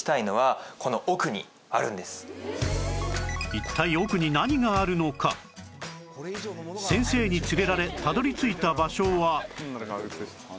一体先生に連れられたどり着いた場所は